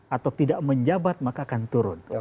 atau tidak menjabat maka akan turun